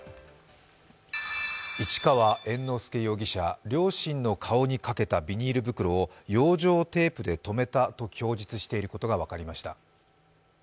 市川猿之助容疑者、両親の顔にかけたビニール袋を養生テープでとめたと供述していることが分かりました。